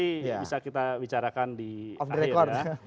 ini bisa kita bicarakan di akhir ya